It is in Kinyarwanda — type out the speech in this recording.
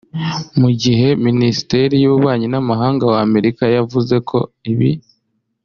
mu gihe minisiteri y’ububanyi n’amahanga wa Amerika yavuze ko ibi